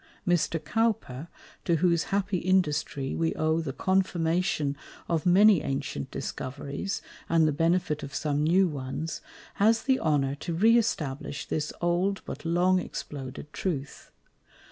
Mr. Cowper, to whose happy Industry we owe the Confirmation of many ancient Discoveries, and the Benefit of some new ones, has the Honour to re establish this old, but long exploded Truth.